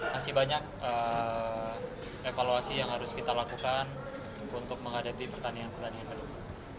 masih banyak evaluasi yang harus kita lakukan untuk menghadapi pertanian pertanian berikutnya